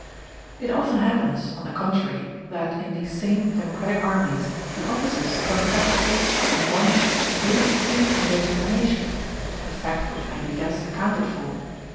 It often happens, on the contrary, that in these same democratic armies the officers contract tastes and wants wholly distinct from those of the nation a fact which may be thus accounted for.